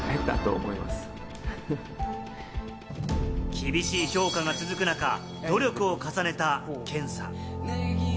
厳しい評価が続く中、努力を重ねたケンさん。